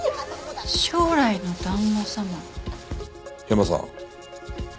ヤマさん。